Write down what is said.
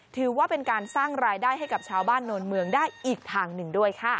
ถือว่าเป็นการสร้างรายได้ให้กับชาวบ้านโนนเมืองได้อีกทางหนึ่งด้วยค่ะ